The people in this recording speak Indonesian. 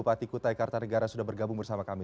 atiku taekarta negara sudah bergabung bersama kami